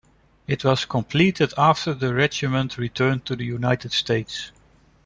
It was completed after the regiment returned to the United States.